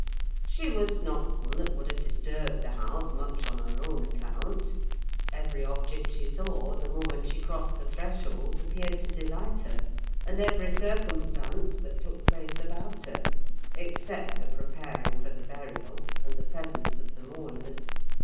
She was not one that would have disturbed the house much on her own account. Every object she saw, the moment she crossed the threshold, appeared to delight her; and every circumstance that took place about her: except the preparing for the burial, and the presence of the mourners.